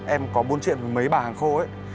em có buôn chuyện với mấy bà hàng khô ấy